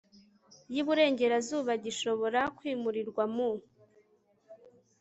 y iburengerazuba gishobora kwimurirwa mu